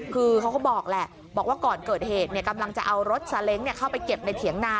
คือเขาก็บอกแหละบอกว่าก่อนเกิดเหตุกำลังจะเอารถซาเล้งเข้าไปเก็บในเถียงนา